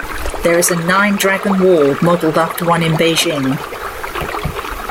There is a Nine-Dragon Wall modelled after one in Beijing.